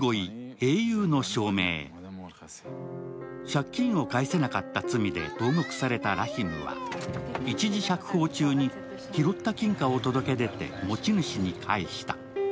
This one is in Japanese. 借金を返せなかった罪で投獄されたラヒムは一時釈放中に拾った金貨を届け出て持ち主に返した。